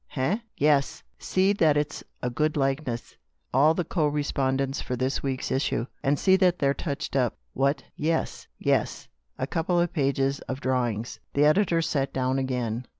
Eh? Yes. See that it's a good likeness. All the co respon dents for this week's issue. And see that they're touched up. What? Yes, yes. A couple of pages of drawings." The editor sat down again.